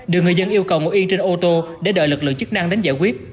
đường người dân yêu cầu ngồi yên trên ô tô để đợi lực lượng chức năng đánh giải quyết